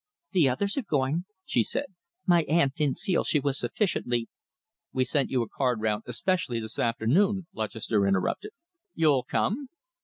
"The others are going," she said. "My aunt didn't feel she was sufficiently " "We sent you a card round especially this afternoon," Lutchester interrupted. "You'll come?"